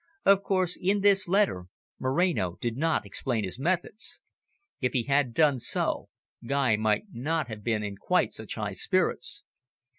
Of course, in this letter, Moreno did not explain his methods. If he had done so, Guy might not have been in quite such high spirits.